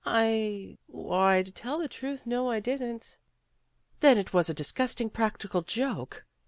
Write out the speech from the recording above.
"I why, to tell the truth, no I didn't." "Then it was a disgusting practical joke.